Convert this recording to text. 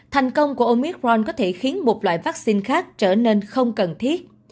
thành công của omicron có thể khiến một loại vaccine khác trở nên không cần thiết